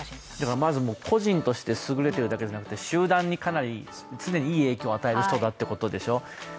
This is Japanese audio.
まず個人としてすぐれてるだけでなく集団にかなり、常にいい影響を与える人だってことでしょう。